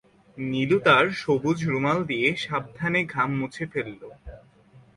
নীলু তার সবুজ রুমাল দিয়ে সাবধানে ঘাম মুছে ফেলল।